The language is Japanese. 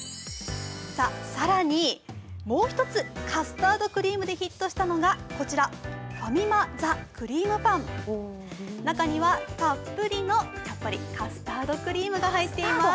更にもう一つ、カスタードクリームでヒットしたのがこちら、ファミマ・ザ・クリームパン中にはたっぷりの、やっぱりカスタードクリームが入っています。